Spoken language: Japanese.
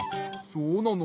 そうなの？